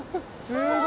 すご！